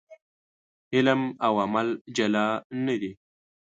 علم او عمل جلا نه دي.